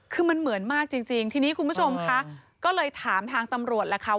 คือมันเหมือนมากจริงทีนี้คุณผู้ชมคะก็เลยถามทางตำรวจล่ะค่ะ